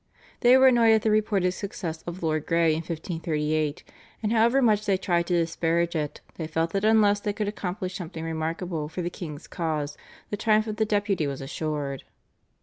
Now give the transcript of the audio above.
They were annoyed at the reported success of Lord Grey in 1538, and however much they tried to disparage it, they felt that unless they could accomplish something remarkable for the king's cause the triumph of the Deputy was assured.